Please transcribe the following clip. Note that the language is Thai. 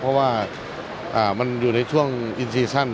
เพราะว่ามันอยู่ในช่วงอินซีซั่น